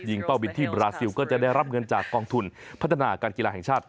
เป้าบินที่บราซิลก็จะได้รับเงินจากกองทุนพัฒนาการกีฬาแห่งชาติ